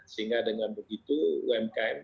sehingga dengan begitu umkm